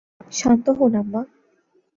শান্ত হোন আম্মা!